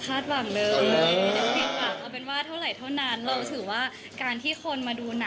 อันนี้มันก็ไม่ได้ออกไปอยู่